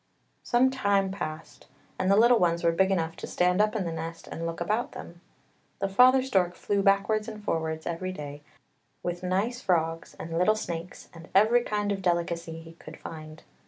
Some time passed and the little ones were big enough to stand up in the nest and look about them. The father stork flew backwards and forwards every day, with nice frogs and little snakes, and every kind of delicacy he could find.